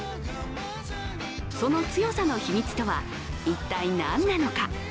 その強さの秘密とは、一体何なのか。